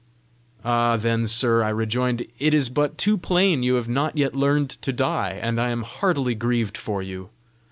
"Ah, then, sir," I rejoined, "it is but too plain you have not yet learned to die, and I am heartily grieved for you.